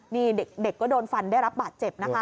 นี่เด็กก็โดนฟันได้รับบาดเจ็บนะคะ